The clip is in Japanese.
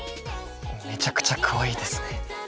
めちゃくちゃかわいいですね。